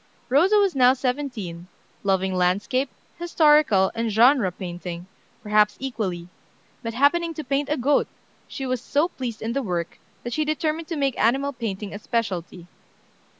Rosa was now seventeen, loving landscape, historical, and genre painting, perhaps equally; but happening to paint a goat, she was so pleased in the work, that she determined to make animal painting a specialty.